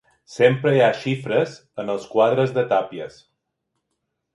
Sempre hi ha xifres en els quadres de Tàpies.